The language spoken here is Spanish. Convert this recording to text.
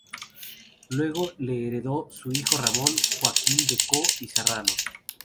Luego la heredó su hijo Ramón Joaquín de Coo y Serrano.